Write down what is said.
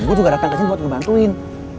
gue juga dateng kesini buat ngebantuin